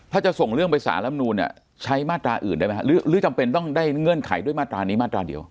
ถ้าจะส่งเรื่องไปสารลำนูนเนี่ยใช้มาตราอื่นได้ไหมฮะหรือจำเป็นต้องได้เงื่อนไขด้วยมาตรานี้มาตราเดียว